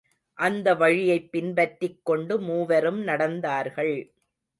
அந்த வழியைப் பின்பற்றிக் கொண்டு மூவரும் நடந்தார்கள்.